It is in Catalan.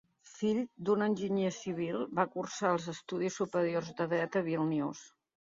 Fill d'un enginyer civil, va cursar els estudis superiors de dret a Vílnius.